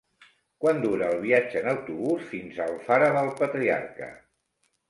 Quant dura el viatge en autobús fins a Alfara del Patriarca?